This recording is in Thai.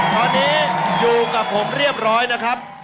ตอนนี้อยู่กับผมเรียบร้อยนะครับ